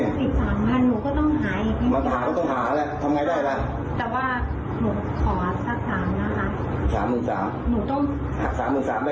อีกสามพันหนูก็ต้องหาอีกอีกอย่างมาหาก็ต้องหาแหละทำไงได้แหละ